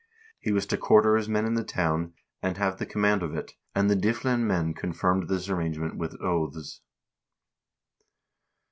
He was to quarter his men in the town, and have the command of it, and the Dyflin men confirmed this arrange ment with oaths.